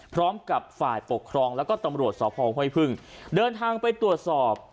พร้อมกับฝ่ายปกครองแล้วก็ตำรวจสพห้วยพึ่งเดินทางไปตรวจสอบ